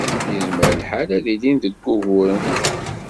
Yezmer lḥal ad ilin deg wuguren.